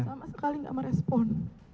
lama sekali gak merespon